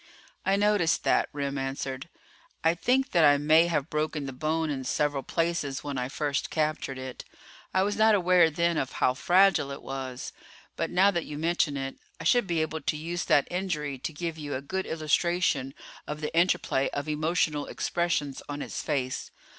"I noticed that," Remm answered. "I think that I may have broken the bone in several places when I first captured it. I was not aware then of how fragile it was. But now that you mention it, I should be able to use that injury to give you a good illustration of the interplay of emotional expressions on its face.